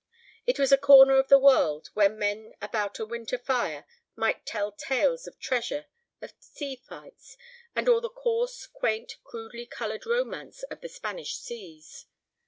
It was a corner of the world where men about a winter fire might tell tales of treasure, of sea fights, and all the coarse, quaint, crudely colored romance of the Spanish seas.